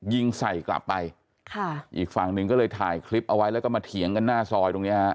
ยิงใส่กลับไปค่ะอีกฝั่งหนึ่งก็เลยถ่ายคลิปเอาไว้แล้วก็มาเถียงกันหน้าซอยตรงเนี้ยฮะ